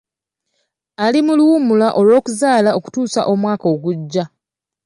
Ali mu luwummula lw'okuzaala okutuusa omwaka ogujja.